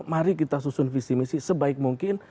mari kita susun visi misi sebaik mungkin